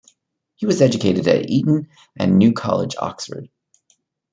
He was educated at Eton and New College, Oxford.